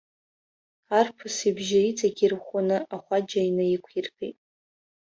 Арԥыс ибжьы иҵегьы ирӷәӷәаны ахәаџьа инаиқәиргеит.